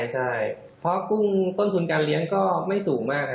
ใช่เพราะกุ้งต้นทุนการเลี้ยงก็ไม่สูงมาก